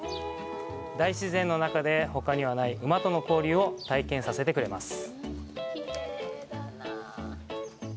大自然の中で、ほかにはない、馬との交流を体験させてくれます。